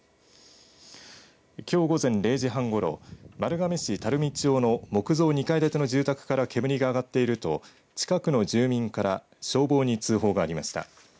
きょう午前０時半ごろ丸亀市垂水町の木造２階建ての住宅から煙が上がっていると自宅の住民から消防に通報がありました。